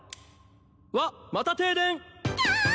わっまた停電！キャ！